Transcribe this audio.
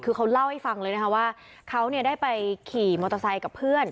คือเขาเล่าให้ฟังเลยนะคะว่าเขาได้ไปขี่มอเตอร์ไซค์กับเพื่อน